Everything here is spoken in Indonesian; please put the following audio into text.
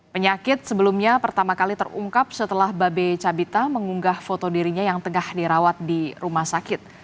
penyakit sebelumnya pertama kali terungkap setelah babe cabita mengunggah foto dirinya yang tengah dirawat di rumah sakit